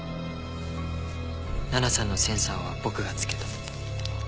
奈々さんのセンサーは僕がつけた。